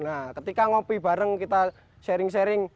nah ketika ngopi bareng kita sharing sharing